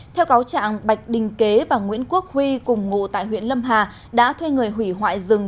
theo cáo trạng bạch đình kế và nguyễn quốc huy cùng ngụ tại huyện lâm hà đã thuê người hủy hoại rừng